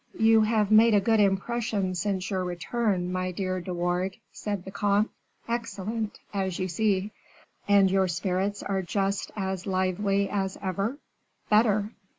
"You have made a good impression since your return, my dear De Wardes," said the comte. "Excellent, as you see." "And your spirits are just as lively as ever?" "Better."